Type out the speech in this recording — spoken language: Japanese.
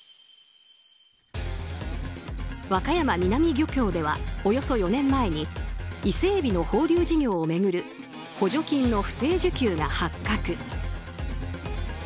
和歌山南漁協ではおよそ４年前に伊勢エビの放流事業を巡る補助金の不正受給が発覚。